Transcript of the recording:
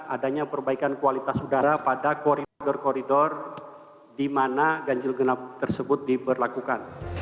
adanya perbaikan kualitas udara pada koridor koridor di mana ganjil genap tersebut diberlakukan